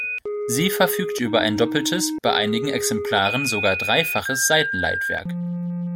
Sie verfügte über ein doppeltes, bei einigen Exemplaren sogar dreifaches Seitenleitwerk.